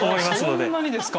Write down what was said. へえそんなにですか。